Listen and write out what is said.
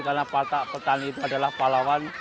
karena petani itu adalah pahlawan